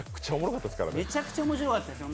めちゃくちゃ面白かったですよ